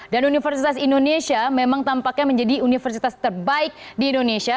dan universitas indonesia memang tampaknya menjadi universitas terbaik di indonesia